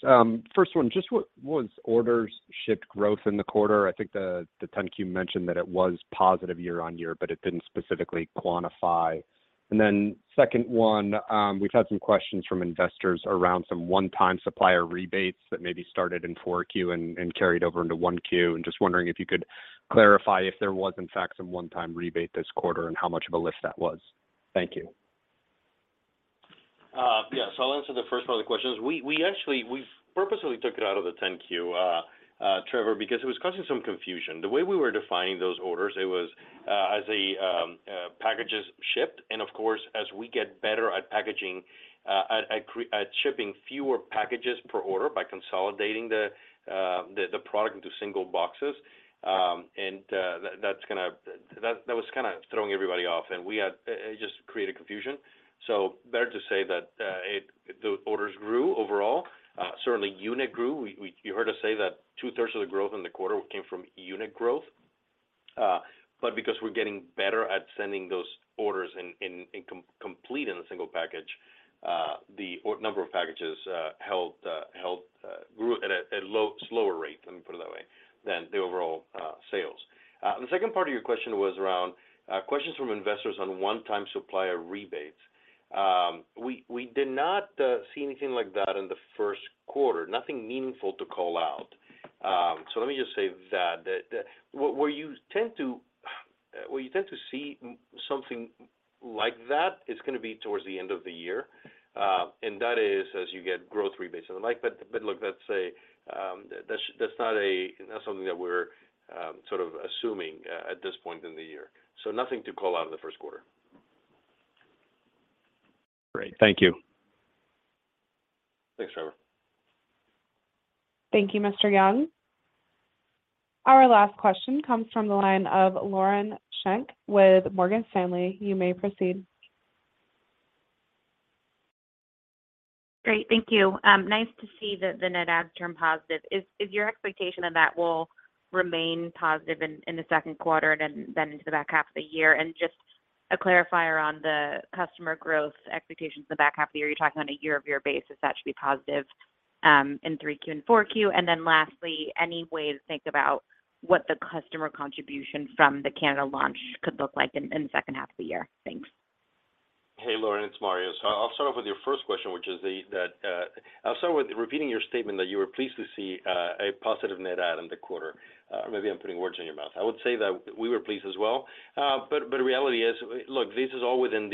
First one, just what was orders shipped growth in the quarter? I think the 10-Q mentioned that it was positive year-over-year, but it didn't specifically quantify. Second one, we've had some questions from investors around some one-time supplier rebates that maybe started in 4Q and carried over into 1Q. Just wondering if you could clarify if there was, in fact, some one-time rebate this quarter and how much of a lift that was. Thank you. Yes, I'll answer the first part of the questions. We actually, we've purposely took it out of the 10-Q, Trevor, because it was causing some confusion. The way we were defining those orders, it was as a packages shipped. Of course, as we get better at packaging, at shipping fewer packages per order by consolidating the product into single boxes, that was kind of throwing everybody off, and we had it just created confusion. Better to say that, the orders grew overall. Certainly, unit grew. You heard us say that 2/3 of the growth in the quarter came from unit growth. Because we're getting better at sending those orders in complete in a single package, the number of packages held grew at a slower rate, let me put it that way, than the overall sales. The second part of your question was around questions from investors on one-time supplier rebates. We did not see anything like that in the first quarter. Nothing meaningful to call out. Let me just say that where you tend to see something like that, it's gonna be towards the end of the year, and that is as you get growth rebates. Like look, let's say, that's not a something that we're sort of assuming at this point in the year. Nothing to call out in the first quarter. Great. Thank you. Thanks, Trevor. Thank you, Mr. Young. Our last question comes from the line of Lauren Schenk with Morgan Stanley. You may proceed. Great. Thank you. Nice to see the net add turn positive. Is your expectation of that will remain positive in the second quarter and then into the back half of the year? Just a clarifier on the customer growth expectations in the back half of the year, are you talking on a year-over-year basis, that should be positive, in 3Q and 4Q? Then lastly, any way to think about what the customer contribution from the Canada launch could look like in the second half of the year? Thanks. Hey, Lauren, it's Mario. I'll start off with your first question. I'll start with repeating your statement that you were pleased to see a positive net add in the quarter. Maybe I'm putting words in your mouth. I would say that we were pleased as well, but the reality is, look, this is all within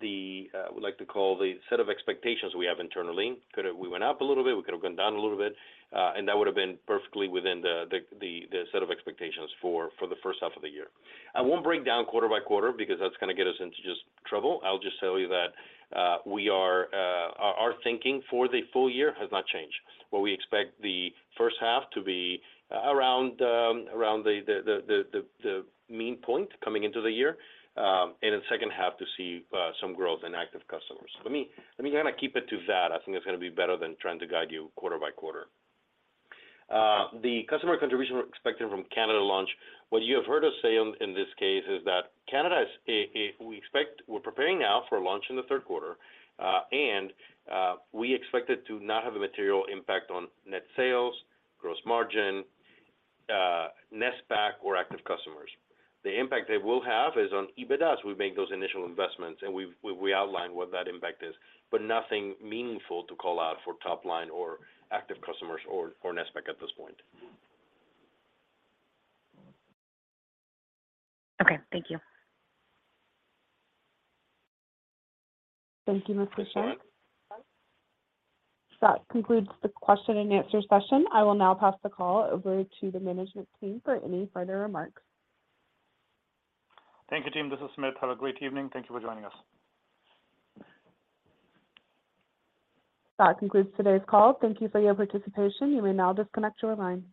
the set of expectations we have internally. We went up a little bit, we could have gone down a little bit, and that would have been perfectly within the set of expectations for the first half of the year. I won't break down quarter by quarter because that's gonna get us into just trouble. I'll just tell you that, we are, our thinking for the full year has not changed. What we expect the first half to be around the mean point coming into the year, and in the second half to see some growth in active customers. Let me kind of keep it to that. I think it's gonna be better than trying to guide you quarter by quarter. The customer contribution expected from Canada launch, what you have heard us say in this case, is that Canada is a we expect we're preparing now for a launch in the third quarter, and we expect it to not have a material impact on net sales, gross margin, net basket or active customers. The impact they will have is on EBITDA, as we make those initial investments. We've outlined what that impact is. Nothing meaningful to call out for top line or active customers or net basket at this point. Okay. Thank you. Thank you, Mr. Schenk. That concludes the question and answer session. I will now pass the call over to the management team for any further remarks. Thank you, team. This is Sumit. Have a great evening. Thank you for joining us. That concludes today's call. Thank you for your participation. You may now disconnect your lines.